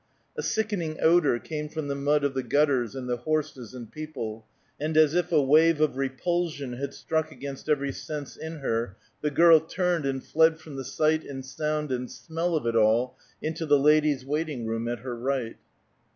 A sickening odor came from the mud of the gutters and the horses and people, and as if a wave of repulsion had struck against every sense in her, the girl turned and fled from the sight and sound and smell of it all into the ladies' waiting room at her right.